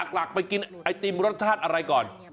หลักไปกินไอติมรสชาติอะไรก่อน